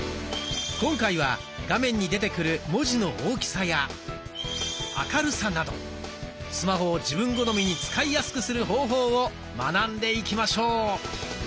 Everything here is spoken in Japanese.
今回は画面に出てくる文字の大きさや明るさなどスマホを自分好みに使いやすくする方法を学んでいきましょう。